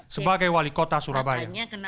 sebagai wali kota surabaya